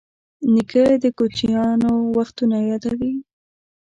نیکه د کوچیانو وختونه یادوي.